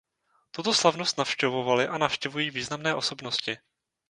Tuto slavnost navštěvovaly a navštěvují významné osobnosti.